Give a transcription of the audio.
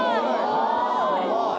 すごい。